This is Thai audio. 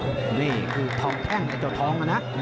นี่นี่คือทองแท่งไอ้เจ้าทองอะนะ